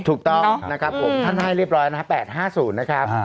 ถูกต้องนะครับผมท่านให้เรียบร้อยนะครับ๘๕๐นะครับ